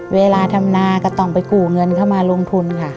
เวลาทำนาก็ต้องไปกู้เงินเข้ามาลงทุนค่ะ